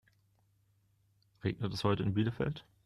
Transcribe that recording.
Regnet es heute in Bielefeld?